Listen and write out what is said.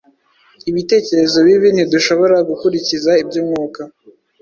ibitekerezo bibi, ntidushobora gukurikiza iby’Umwuka.